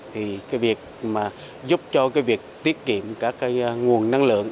thì cái việc mà giúp cho cái việc tiết kiệm các cái nguồn năng lượng